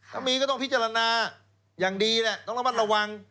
ถ้ามีก็ต้องพิจารณาอย่างดีต้องระวัง